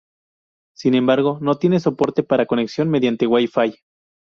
Sin embargo, no tiene soporte para conexión mediante Wi-Fi.